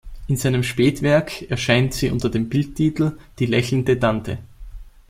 In seinem Spätwerk erscheint sie unter dem Bildtitel "Die lächelnde Tante".